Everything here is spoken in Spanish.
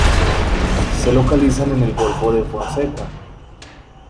Se localizan en el Golfo de Fonseca.